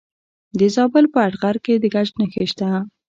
د زابل په اتغر کې د ګچ نښې شته.